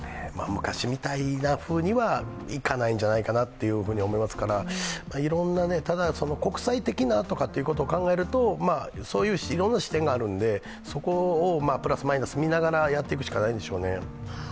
昔みたいなふうにはいかないんじゃないかと思いますから、ただ、国際的なっていうことを考えるとそういういろんな視点があるのでそこをプラス・マイナス見ながらやっていくしかないんでしょうね。